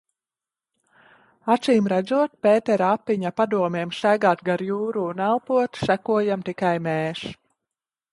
Acīmredzot, Pētera Apiņa padomiem staigāt gar jūru un elpot sekojam tikai mēs.